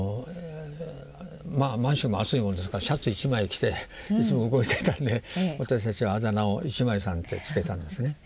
まあ満州も暑いもんですからシャツ一枚着ていつも動いていたんで私たちはあだ名を「一枚さん」って付けたんですね。